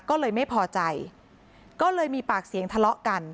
ก็เลยไม่พอใจก็เลยมีปากเสียงทะเลาะกัน